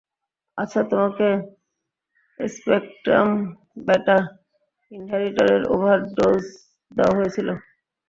আচ্ছা, তোমাকে স্পেক্ট্রাম ব্যাটা ইনহেভিটরের ওভার ডোজ দেওয়া হয়েছিল।